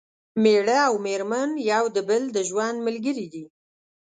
مېړه او مېرمن یو د بل د ژوند ملګري دي